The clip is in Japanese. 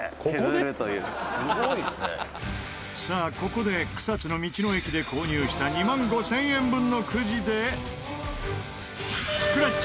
ここで草津の道の駅で購入した２万５０００円分のくじで。